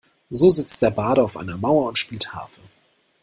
So sitzt der Barde auf einer Mauer und spielt Harfe.